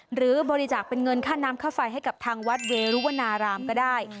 หรือบริจาคเป็นเงินค่าน้ำค่าไฟให้กับทางวัดเวรุวนารามก็ได้